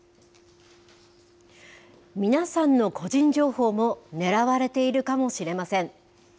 皆さんの個人情報も狙われているかもしれません。